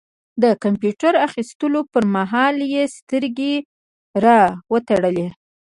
د کمپيوټر اخيستلو پر مهال يې سترګې را وتړلې.